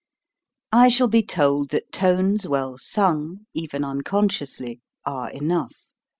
I shall be told that tones well sung, even unconsciously, are enough.